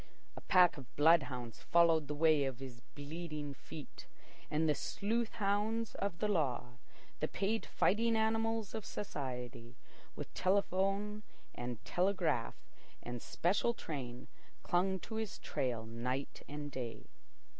A pack of bloodhounds followed the way of his bleeding feet. And the sleuth hounds of the law, the paid fighting animals of society, with telephone, and telegraph, and special train, clung to his trail night and day.